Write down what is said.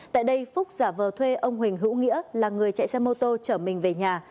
tại đây phúc giả vờ thuê ông huỳnh hữu nghĩa là người chạy xe mô tô chở mình về nhà